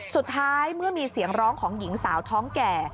สุดท้ายเมื่อมีเสียงร้องของหญิงสาวท้องแก่